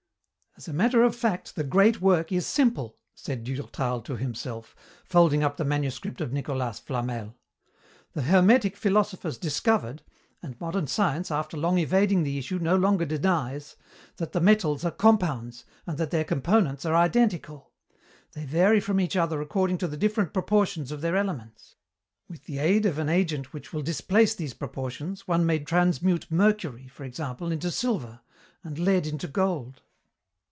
"As a matter of fact, the 'great work' is simple," said Durtal to himself, folding up the manuscript of Nicolas Flamel. "The hermetic philosophers discovered and modern science, after long evading the issue, no longer denies that the metals are compounds, and that their components are identical. They vary from each other according to the different proportions of their elements. With the aid of an agent which will displace these proportions one may transmute mercury, for example, into silver, and lead into gold.